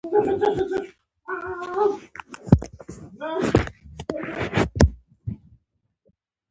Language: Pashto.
دغه کار به زموږ د ټولنې کلتوري کچه لوړه کړي.